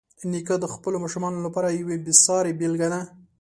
نیکه د خپلو ماشومانو لپاره یوه بېسارې بېلګه ده.